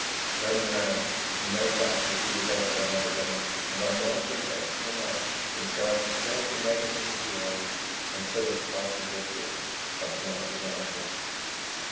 Turning round, he made back to the boulevard de la Madeleine, and on one pretext and another contrived to haunt the neighbourhood of Viel's until the party reappeared, something after one o'clock.